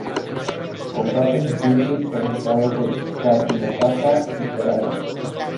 Comparte sus límites con los estados de Karnataka y Kerala.